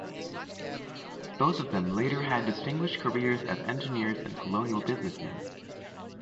Both of them later had distinguished careers as engineers and colonial businessmen.